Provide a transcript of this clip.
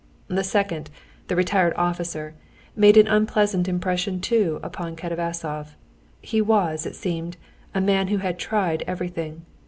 The second, the retired officer, made an unpleasant impression too upon Katavasov. He was, it seemed, a man who had tried everything.